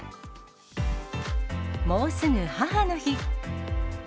もうすぐ母の日。